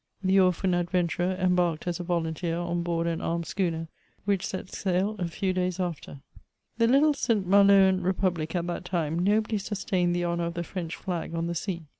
The orphan adventurer embarked as a volunteer on board an armed schooner, which set sail a few days after. The little Saint Maloan repubUc at that time nobly sus tained the honour of the French flag on the sea.